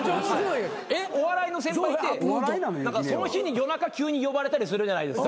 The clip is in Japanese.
お笑いの先輩ってその日に夜中急に呼ばれたりするじゃないですか。